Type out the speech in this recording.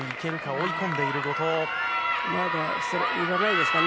追い込んでいる後藤。